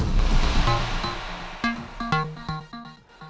seru banget gue